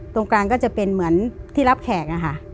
ตรงกลางก็จะเป็นเหมือนที่รับแขกอะค่ะ